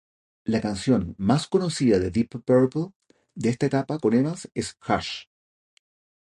La canción más conocida de Deep Purple de esta etapa con Evans es "Hush".